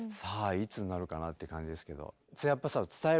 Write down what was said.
いつになるかなっていう感じですけど。